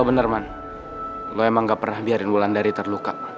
lo bener man lo emang gak pernah biarin wulan dari terluka